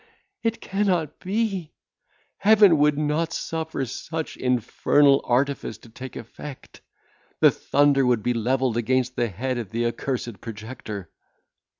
It cannot be. Heaven would not suffer such infernal artifice to take effect. The thunder would be levelled against the head of the accursed projector."